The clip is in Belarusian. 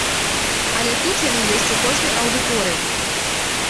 А тут яны ёсць у кожнай аўдыторыі.